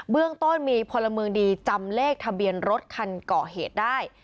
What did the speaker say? เรื่องต้นมีพลเมืองดีจำเลขทะเบียนรถคันก่อเหตุได้